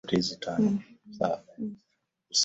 Alifunga bao lake la kwanza la kimataifa mwaka wa